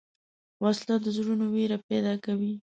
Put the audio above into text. وسله د زړونو وېره پیدا کوي